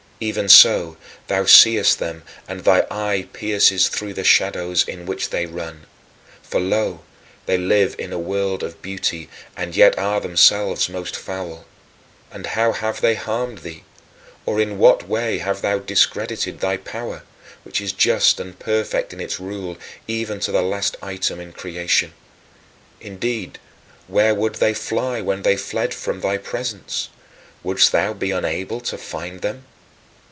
Even so, thou seest them and thy eye pierces through the shadows in which they run. For lo, they live in a world of beauty and yet are themselves most foul. And how have they harmed thee? Or in what way have they discredited thy power, which is just and perfect in its rule even to the last item in creation? Indeed, where would they fly when they fled from thy presence? Wouldst thou be unable to find them?